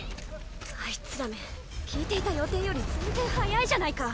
あいつらめ聞いていた予定より全然早いじゃないか。